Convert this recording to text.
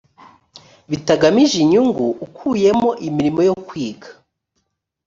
bitagamije inyungu ukuyemo imirimo yo kwiga